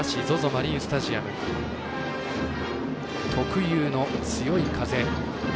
マリスタジアム特有の強い風。